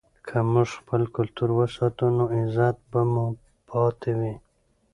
که موږ خپل کلتور وساتو نو عزت به مو پاتې وي.